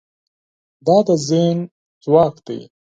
دا د ذهن ځواک دی.